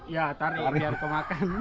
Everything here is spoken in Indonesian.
ya tarik biar kemakan